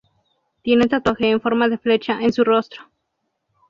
Tiene un tatuaje en forma de flecha en su rostro.